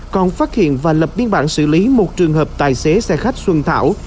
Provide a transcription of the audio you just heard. còn phát hiện và lập biên bản xử lý một trường hợp tài xế xe khách xuân thảo